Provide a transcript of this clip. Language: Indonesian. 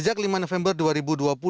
jadi sesuatu itu tidak terhambat